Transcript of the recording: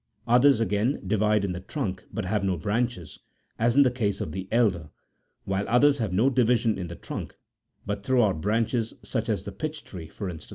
. Others, W™£ m the trunk but have no branches, as m the case of the elder , wnue others have no division in the trunk but throw out branches, such as the pitch tree, for instance.